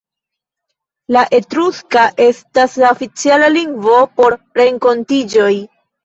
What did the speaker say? La Etruska estis la oficiala lingvo por renkontiĝoj.